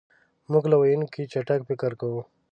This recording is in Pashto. مونږ له ویونکي چټک فکر کوو.